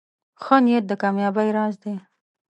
ښه نیت د کامیابۍ راز دی.